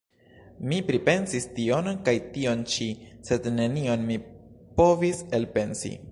Mi pripensis tion kaj tion ĉi, sed nenion mi povis elpensi.